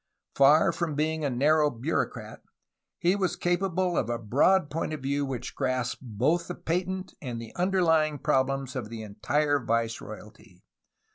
Far from being a narrow bureaucrat, he was capable of a broad point of view which grasped both the patent and the under lying problems of the entire viceroyalty.